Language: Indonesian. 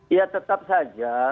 ya tetap saja